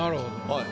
はい。